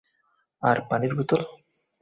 আর পানির বোতল?